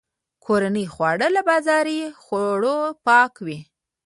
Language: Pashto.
کورني خواړه له بازاري خوړو پاک وي.